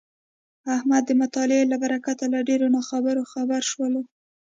احمد د مطالعې له برکته له ډېرو ناخبرو خبر شولو.